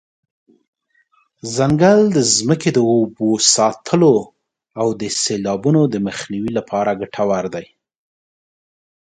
ځنګل د ځمکې د اوبو ساتلو او د سیلابونو د مخنیوي لپاره ګټور دی.